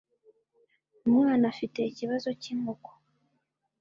Umwana afite ikibazo cyinkoko.